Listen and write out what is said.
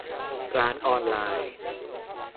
ร้านออนไลน์